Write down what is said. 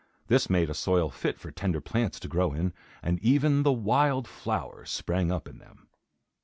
This made a soil fit for tender plants to grow in, and even the wild flowers sprang up in them.